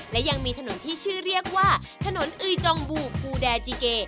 และยังมีถนนที่ชื่อเรียกว่าถนนเอยจองบูภูแดจีเก